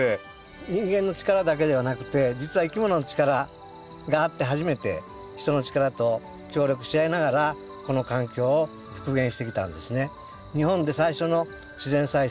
人間の力だけではなくて実はいきものの力があって初めて人の力と協力し合いながらこの環境を復元してきたんですね。